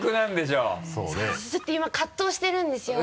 ちょっと今葛藤してるんですよ。